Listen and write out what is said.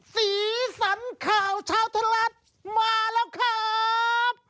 สีสันข่าวเช้าทะลัดมาแล้วครับ